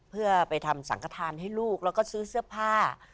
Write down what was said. เพื่อไปทำสังขทานให้ลูกแล้วก็ซื้อเสื้อผ้า